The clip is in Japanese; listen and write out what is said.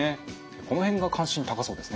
この辺が関心高そうですね。